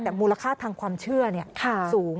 แต่มูลค่าทางความเชื่อสูง